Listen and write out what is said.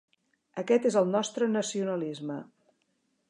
Aquest és el nostre nacionalisme.